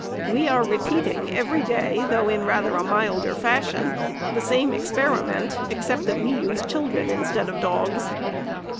We are repeating every day, though in rather a milder fashion, the same experiment, except that we use children instead of dogs.